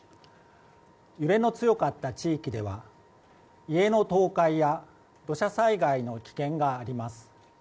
揺れの強かった地域では家の倒壊や土砂災害の危険があります。